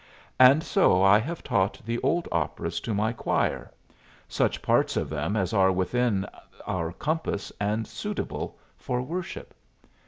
And so I have taught the old operas to my choir such parts of them as are within our compass and suitable for worship.